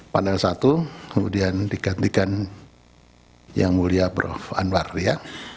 pada satu kemudian digantikan yang mulia prof anwar ya